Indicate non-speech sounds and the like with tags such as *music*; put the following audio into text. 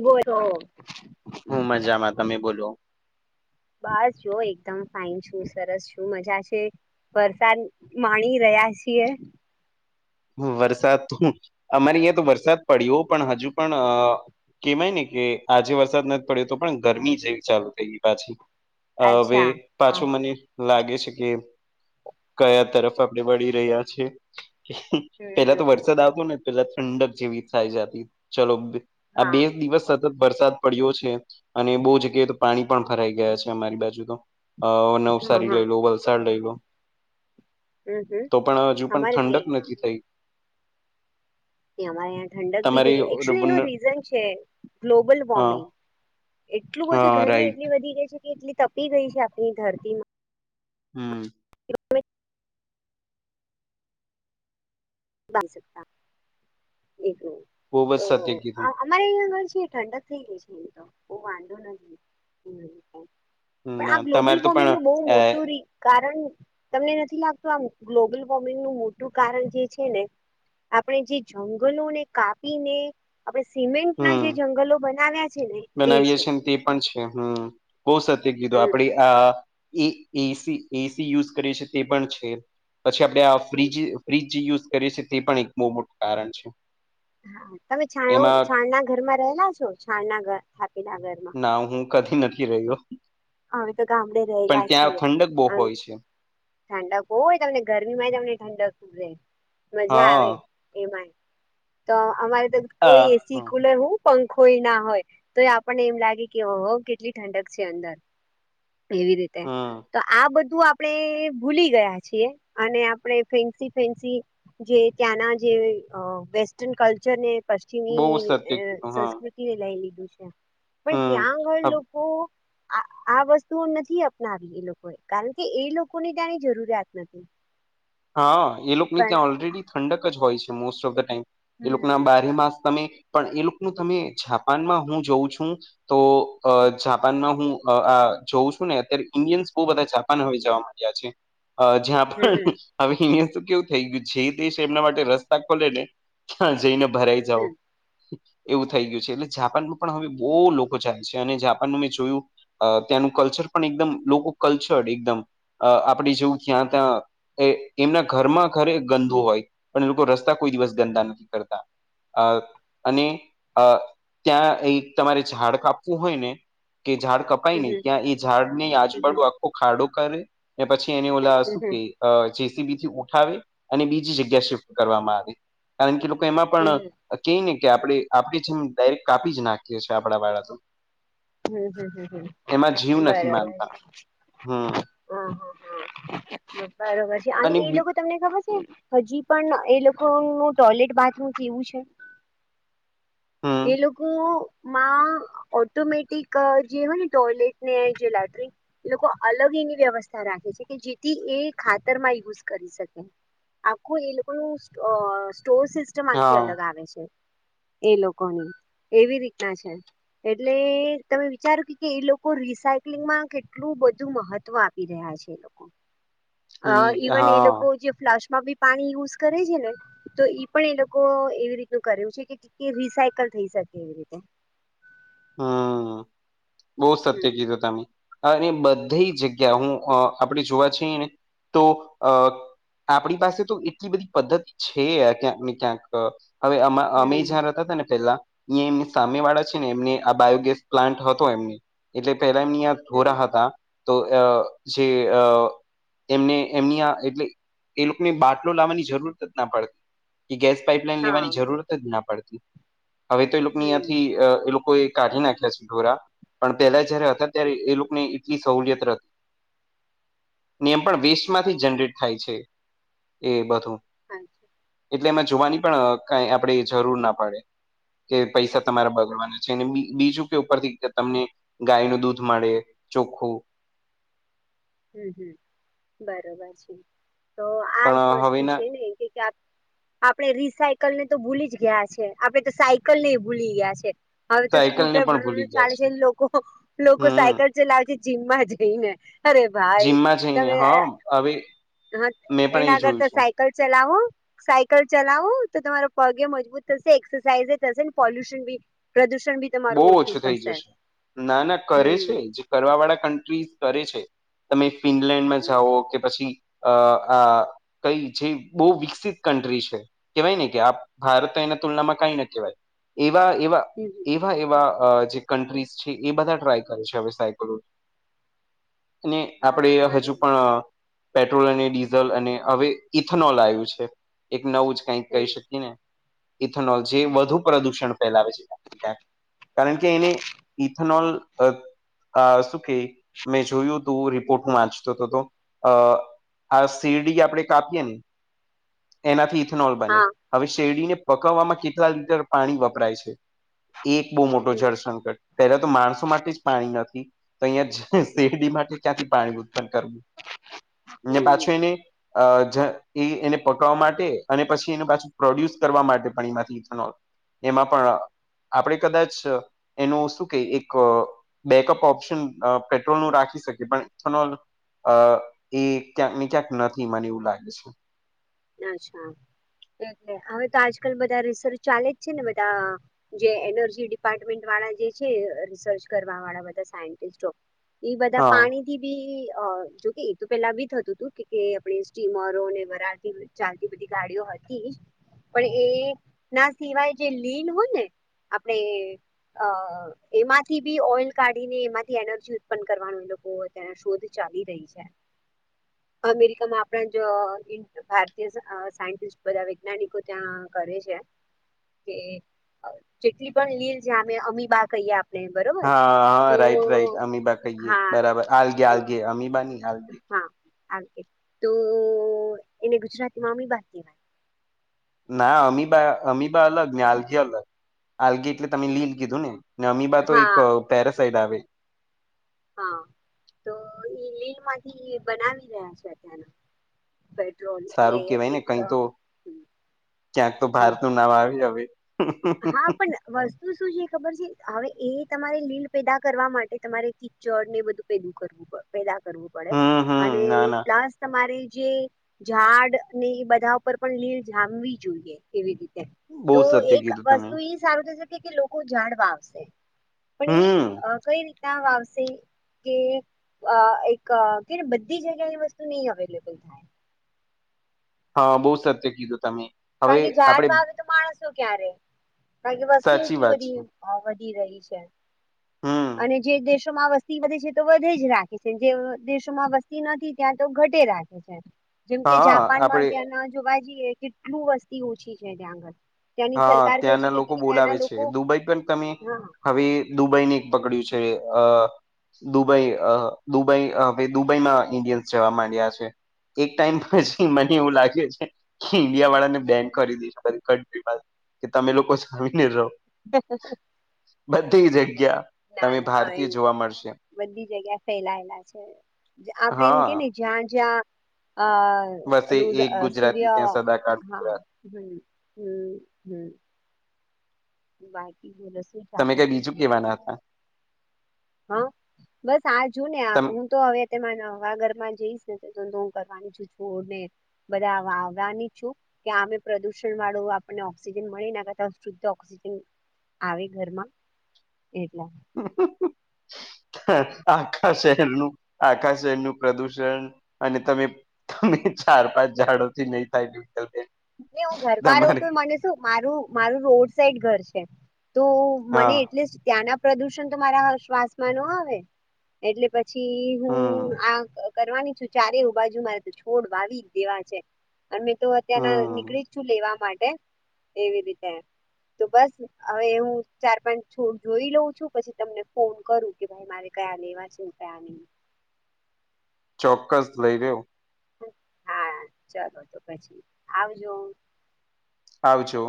Go તો હું મજામાં તમે બોલો બાસ જો એકદમ ફાાઈન છું સરસ છું મજા છે વરસાદ માણી રહ્યા છીએ. વરસાદ તો અમારે અહીં તો વરસાદ પડ્યો પણ હજુ પણ કેમાય ને કે આજે વરસાદ નથી પડ્યો તો પણ ગરમી જેવી ચાલુ થઈ ગઈ પાછી વે અચ્છા પાછું હા મને લાગે છે કે કયા તરફ આપણે વળી રહ્યા છે. હમ પેલા હમ તો હમ વરસાદ આવતો ને પેલા ઠંડક જેવી થાય જતી ચાલો આ હા બે દિવસ વરસાદ પડ્યો છે અને બહુ જગ્યાએ તો પાણી પણ ફરાઈ ગયા છે અમારી બાજુ તો અ હા નવસારી હા લઈ લો વલસાડ લઈ લો. હમ હમ તો પણ હજુ પણ અમારે બી ઠંડક નથી અહિયાં થઈ. અમારે્યાં ઠંડક બી તમારે થઇ ગઈ એકચ્યુલી એનું રીઝન છે ગ્લોબલ હા વોર્મિંગ એટલું બધું હા ગરમી રાઈટ એટલી વધી ગઈ છે કે એટલી તપી ગઈ છે આપણી ધરતીમાં હમ. *inaudible* બન સકતા એક રમ બહુ જ તો સત્ય આ કીધું આ અમારે અં ઘર છે ઠંડક થઈ ગઈ છે એ તો બહ વાંધો નથી એ હમ પણ ના, આ ગ્લોબલ તમારે તો પણ વોર્મિંગનુંું બહુ અ મોટું રી કારણ તમને નથી લાગતું આમ ગ્લોબલ વોર્મિંગનુંું મોટું કારણ છે છે ને આપણે જે જંગલોને કાપીને આપણે સિમેન્ટ ના જે હમ જંગલો બનાવ્યા છે ને બનાવીએ છે ને તે પણ છે હમ બહ સત્ય કીધું હમ. આપણે અ એ એસી એસી યુઝ કરે છે તે પણ છે. પછી આપડે આ ફ્રીજ ફ્રીજ જે યુઝ કરીએ છીએ તે પણ એક બહુ મોટું કારણ છે. હા તમે છા એમાં છાણ ના ઘરમાં રહેલા છો છાણ ના ઘર છાપી ના ઘરમાં ના હું કથી નથી રહ્યો. અમે તો ગામડે પણ રહેલા ત્યાં છીએ. ઠંડક બહુ હોય છે ઠંડક હોય તમને ગરમીમાં તમને ઠંડકે રે મજા હા આવે એમાંય તો અમારે તો આ કોઈ એસી હમ કુલર હું પંખોય ના હોય તો આપણને એમ લાગે કે ઓ કેટલી ઠંડક છે અંદર. એવી રીતે હમ તો આ બધું આપણે ભૂલી ગયા છીએ અને આપણે ફેન્સી ફેન્સી જે ત્યાંના જે વેસ્ટન કલ્ચર ને બહુ પશ્ચિમી સત્ય કીધું હા સંસ્કૃતિ લઈ લીધું છે પણ હમ ત્યાં આગળ લોકો આ વસ્તુઓ નથી અપનાવી એ લોકોએ કારણ કે એ લોકોને ત્યાંની જરૂરિયાત નથી. હા એ લોકોની પણ ત્યાં ઓલરેડી ઠંડક જ હોય છે મોસ્ટ ઓફ ધ ટાઈમ એ લોકો ના હમ બારે માસ તમે પણ એ લોકોનું તમે જાપાનમાં હું જોઉં છું. તો અ જાપાનમાં હું અ આ જોઉં છું ને અત્યારે ઇન્ડિયન્સ બહ બધા જાપાન હવે જવા માંડ્યા છે. અ જ્યાં હમ પણ હવે અહીયાયા તો કેવું થઈ ગયું જે દેશ એમના માટે રસ્તા ખોલે ને ત્યાં જઈને ભરાઈ જાઓ. હમ એવું થઈ ગયું છે એટલે જાપાનમાં પણ હવે બહુ લોકો જાય છે અને જાપાનમાં મેં જોયું અ ત્યાંનું કલ્ચર પણ એકદમ લોકો કલ્ચર એકદમ આપણે જેવું ત્યાં ત્યાં એ એમના ઘરમાં ઘરે ગંદો હોય પણ એ લોકો રસ્તા કોઈ દિવસ ગંદા નથી કરતા. અ અને અ ત્યાં એ તમારે ઝાડ કાપવું હોય ને કે ઝાડ કપાય નને હમ ત્યાં એ ઝાડ ને હમ આજુબાજુ હમ આખો ખાડો કરે પછી એને ઓલા હમ શું હમ કેય્ જેસીબી થી ઉઠાવે અને બીજી જગ્યા શિફ્ટ કરવામાં આવે. કારણ કે લોકો એમાં પણ હમ ક ને કે આપણે આપણે જેમ ડાયરેક્ટ કાપી જ નાખીએ છીએ આપણા વાળા તો. હમ હમ હમ એમાં જીવ હમ નથી બરોબર. માનતા હા હમ હા હા બરોબર છે અને એ લોકો તમને ખબર છે હજી પણ એ લોકો નું ટોયલેટ બાથરૂમ કેવું છે. હમ એ લોકો માં ઓટોમેટ. જે હો ને ટોયલેટ ને જે લેટરીન. એ લોકો અલગ એની વ્યવસ્થા રાખે છે કે જેથી એ ખાતર માં યુઝ કરી શકે. આખું એ લોકો ન સ્ટોર સિસ્ટમ આખી હા અલગ આવે છે એ લોકોની એવી રીતના છે એટલે. તમે વિચાર્યું કે કે એ લોકો રીસાયક્લિંગમાં કેટલું બધું મહત્વ આપી રહ્યા છે. અ ઈ ઇવન એ હા લોકો જે ફ્લાશ માં બી પાણી યુઝ કરે છે ને તો ઈ પણ એ લોકો એવી રીતનું કર્યું છે કે રિસાયકલ થઈ શકે એવી રીતે. હા. બહુ સત્ય હમ કીધું તમે અને બધી જગ્યા હું આપણે જોવા છએ ને તો અ આપણી પાસે તો એટલી બધી પદ્ધતિ છે આ ક્યાંક ને ક્યાંક. હવે અ અમે હમ જ્યાં હતા હતા ને પેલા અહીંયા એમની સામે વાળા છે ને એમને. આ બાયોગેસ પ્લાન્ટ હતો એમને એટલે પેલા એમની આ હમ ધોરા હતા. તો આ જે અ. એમને એમની આ એટલે એ લોકોને બાટલો લાવવાની જરૂર જ ના પડતી કે ગેસ. પાપલાઈન હા લેવાની જરૂરત જ ના પડતી હવે તો એ લોકો હમ અંથી એ લોકો. કાઢી નાખ્યા છે ઢોરા પણ પેલા જયારે હતા ત્યારે એ લોકોની એટલી સહલિયત હતી. નિયમ પણ વેસ્ટમાંથી જનરેટ થાય છે એ બધું. હા. એટલે એમાં જોવાની પણ કઈ આપણે જરૂર ના પડે કે પૈસા તમારે બગડવાના છેને. બીજું કે ઉપરથી તમને ગાય નું દૂધ મળે ચોખ્ખું હમ હમ બરોબર છે. તો પણ આજ અ, વસ્તુ હવેના છે ને કે. આપડણે રીસાયકલ ને તો ભૂલી જ ગયા છે આપડે તો સાયકલ ને ભૂલી ગયા છે. હવે તો સાયકલ ને સ્કૂટર પણ ભૂલી ગયા ચાલે છે લોકો લોકો હમ સાયકલ. લાજ જીમમાં જઈ ને અરે. ભાઈ જીમમાં જઈને તમે હા હવે. હા મેં પણ એના એ આગળ જોયું તો છે સાયકલ ચલાવો. સાયકલ ચલાવું તો તમારો પગે મજબૂત થશે એક્સરસાઇઝ થશે પોલ્યુશની. પ્રદૂષણ બી. બહુ તમારું ઓછું થઈ થશે જશે ના ના કરે છે. હમ કરવા વાળા કન્ટ્રીઝ કરે છે તમે ફિનલેન્ડમાં જાઓ કે પછી. અ આ કઈ જે બહુ વિકસિત કન્ટ્રી છે. કેહેવાય ને કે ભારત એના તુલનામાં કઈ ન કહેવાય એવા એવા. હમ એવા એવા જે કન્ટ્રીઝ છે એ બધા ટ્રાય કરે છે હવે સાયક્લોન. અને હા આપડે હજુ બરોબર પણ અહ પેટ્રોલ અને ડીઝલ અને હવે ઇથનોલ આયું છે, એક નવું જ કઈ હમ કહી શકીએ ને ઇથેનોલ જે વધુ પ્રદુષણ ફેલાવે છે. કારણકે એને ઇથનલ શું કે મેં જોયું હતું રિપોર્ટ હું વાંચતો હતો હતો અહ આ શીરડી આપડે કાપીએ ને એનાથી ઇથેનોલ બને, હા હવે શેરડીને પકવવામાં કેટલા લીટર પાણી વપરાય છે. એ એક બો મોટો હમ જળસંકટ. પહેલા તો માણસો માટે જ પાણી નથી તો અહીયાં શેરડી માટે ક્યાંથી પાણી ઉત્પન્ન કરવું. ને પાછો હમ એને અ *unintelligible* એ એને પકડવા માટે અને પછી એને પાછું પ્રોડ્યુસ કરવા માટે પણ એમાંથી ઇથેનોલ એમાં પણ આપડે કદાચ એનું શું કે એક બેકઅપ ઓપ્શન પેટ્રોલ નું રાખી શકે પણ ઇથેનોલ અહ એ ક્યાંક ને ક્યાંક નથી, મને એવું લાગે છે. અચ્છા એટલે હવે તો આજકાલ બધા રિસર્ચ ચાલે જ છે ને બધા જે એનર્જી ડિપાર્ટમેન્ટ વાળા જે છે, રિસર્ચ કરવા વાળા બધા સાયન્ટિસ્ટો એ બધા હા પાણી *unintelligible* જોકે એતો પેલા બી થતું હતું *unintelligible* સ્ટીમરો ને એ ભરાતી ચાલતી બધી ગાડીઓ હતી પણ એ ના સિવાય જે લીન હોય ને આપડે અહ એમાંથી બી ઓઈલ કાઢી ને એમાંથી એનર્જી ઉત્પન્ન કરવાનું એ લોકોના શોધ ચાલી રહી. છે અમેરિકામાં આપ *unintelligible* જો ભાર સાયન્ટિસ બધા વૈજ્ઞાનિકો ત્યાં કરે છે. કે જેટલી પણ લીલ ઝમે, અમીબા કહીએ આપ હા, હા રાઈટ રાઈટ અમીબા કહીએ હા બરાબર, આલગે હમ આલગે અમીબા નઈ આલગે હા આલગે તો એને ગુજરાતીમાં અમીબા કેહવાય. ના અમીબા અમીબા અલગ ને આલગે અલગ. આલગે એટલે તમે લીલ કીધું ને ને અમીબા તો એક હા પેરાસાઈડ આવે. હા, તો એ લીલ માંથી બનાવી રહ્યા છે *unintelligible* પેટ્રોલ એટલે સારું કેવાય ને એક કઈ તો હમ ક્યાંક તો ભારત નું નામ આવે હવે. હા પણ વસ્તુ શું છે ખબર છે, હવે એ તમારે લીલ પેદા કરવા માટે તમારે કિચડ ને બધું પેદુ કરવું પેદા કરવું પડે હમ હમ અને ના ના પ્લસ તમારે જે ઝાડને એ બધા ઉપર પણ લીલ જામવી જોઈએ, એવી રીતે બહુ તો સત્ય એક કીધું તમે વસ્તુ એ સારું થશે કે લોકો ઝાડ વાવશે, પણ હમ એ કઈ રીતના વાવશે કે અહ એક કે બધી જગ્યાની વસ્તુની અવેલેબલ થાય. હા, બો સત્ય કીધું તમે હવે કારણકે ઝાડ આપડે વાવે તો માણસો ક્યાં રેહ, કારણકે વસ્તી સાચી એટલી વાત છે બધી અહ વધી રહી છે હમ અને જે દેશ દેશમાં વસ્તી વધે છે તો વધે જ રાખે છે, જે દેશોમાં વસ્તી નથી ત્યાં તો ઘટે રાખે છે જેમકે હા જાપાનમાં આપડે ત્યાંના જોવા જઈએ કેટલું વસ્તી ઓછી છે ત્યાં આગળ ત્યાંની હા, સરકાર કે છે ત્યાંના કે લોકો ત્યાંના બોલાવે છે, લોકો દુબઈ પણ તમે હા હવે દુબઈ ને એક પકડ્યું છે અહ દુબઈ અહ દુબઈ અહ હવે દુબઈમાં ઇન્ડિયન્સ જવા માંડ્યા છે. એક ટાઈમ પછી મને એવું લાગે છે કે ઈન્ડિયા વાળાને બેન કરી દે છે બધી કન્ટ્રી કે તમે લોકો *unintelligible* ને રહો હ *unintelligible* બધી જગ્યા ના તમે ના ભારતીય એવું જોવા મળશે બધી જગ્યા ફેલાયેલા છે આપડે એમ કે હા જ્યાં જ્યાં વસે એક *unintelligible* ગુજરાતી સૂર્ય ત્યાં સદાકાળ હા. ગુજરાત હમ હમ હમ બાકી બોલશે તમે કઈ બીજું કેવાના હતા હા બસ આ જોુ ને તમ હું તો હવે તે હવા ઘરમાં જઈશ ને હું કરવાની છુને બધા આવવાની છું. કે અમે પ્રદુષણ વાળું આપણને ઓક્સિજન મળી નાખ શુદ્ધ ઓક્સિજન આવે ઘરમાં એટલા હ આખા શહેરનું આખા શહેરનુંું પ્રદુષણ અને તમે. તમે ચાર પાંચ ઝાડોથી નહી થાય બ. ન હું ઘરમાં રહ તો મને શું મારું મારું રોડ સાઈડ ઘર છે તો. મને હા એટલીસ્ટ ત્યાંના પ્રદુષણ તો મારા શ્વાસમાં ન આવે એટલે પછી. પછી હમ હું આ કરવાની છું ચારેવ બાજુ મારે તો છોડ વાવી જ દેવા છે. અને મેં તો અત્યારના હમ નીકળી જ છું લેવા માટે એવી રીતે. તો બસ હવે હું ચાર પાંચ છોડ જોઈ લઉં છું પછી તમને ફોન કરું કે ભાઈ. મારે કયા લેવા છે કયા ન. ચોક્કસ લઈ રહ્યો. હા ચાલો તો પછી આવજો. આવજો.